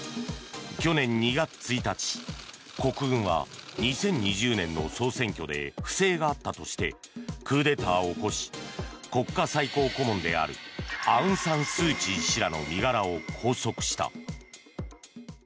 去年２月１日国軍は、２０２０年の総選挙で不正があったとしてクーデターを起こし国家最高顧問であるアウン・サン・スー・チー氏らの身柄を拘束した。